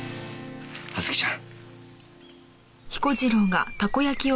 葉月ちゃん。